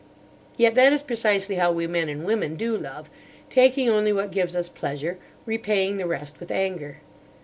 Yet that is precisely how we men and women do love; taking only what gives us pleasure, repaying the rest with anger.